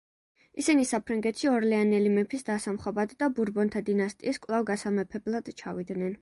ისინი საფრანგეთში ორლეანელი მეფის დასამხობად და ბურბონთა დინასტიის კვლავ გასამეფებლად ჩავიდნენ.